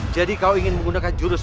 jadi kau ingin menggunakan jurus